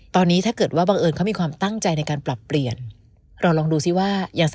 ตอนนี้ถ้าเกิดว่าบังเอิญเขามีความตั้งใจในการปรับเปลี่ยน